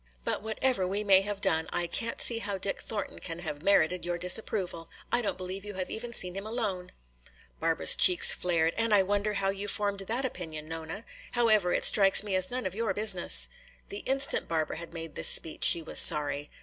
But whatever we may have done, I can't see how Dick Thornton can have merited your disapproval. I don't believe you have even seen him alone." Barbara's cheeks flared. "And I wonder how you formed that opinion, Nona? However, it strikes me as none of your business." The instant Barbara had made this speech she was sorry.